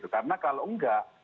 karena kalau tidak